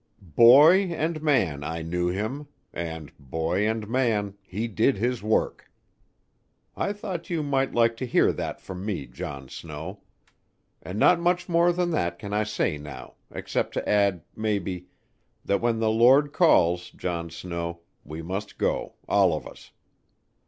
Boy and man I knew him, and, boy and man, he did his work. I thought you might like to hear that from me, John Snow. And not much more than that can I say now, except to add, maybe, that when the Lord calls, John Snow, we must go, all of us.